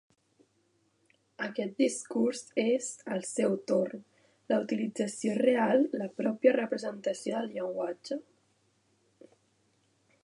Aquest discurs és, al seu torn, la utilització real, la pròpia representació del llenguatge.